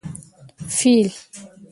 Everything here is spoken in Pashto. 🐘 فېل